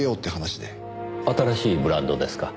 新しいブランドですか？